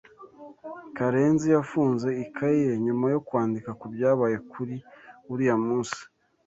Karenzi yafunze ikayi ye nyuma yo kwandika kubyabaye kuri uriya munsi.